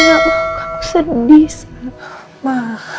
aku sedih sama